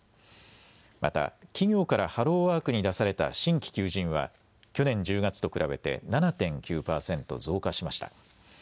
また、企業からハローワークに出された新規求人は、去年１０月と比べて７．９％増加しました。